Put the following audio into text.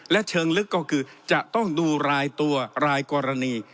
และเชิงลึกก็คือจะต้องดูรายตัวรายกรณี